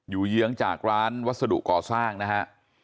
เยื้องจากร้านวัสดุก่อสร้างนะฮะ